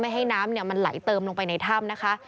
ให้น้ำมันไหลเติมลงไปในถ้ำนะคะ